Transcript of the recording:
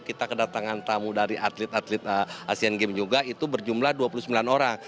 kita kedatangan tamu dari atlet atlet asean games juga itu berjumlah dua puluh sembilan orang